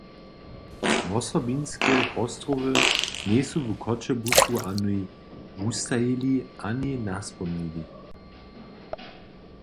Wosobinske postrowy njejsu w Choćebuzu ani wustajili ani naspomnili.